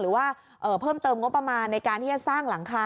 หรือว่าเพิ่มเติมงบประมาณในการที่จะสร้างหลังคา